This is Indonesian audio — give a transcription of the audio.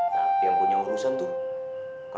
nah yang punya urusan tuh